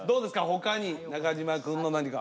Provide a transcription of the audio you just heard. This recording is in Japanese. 他に中島くんの何か。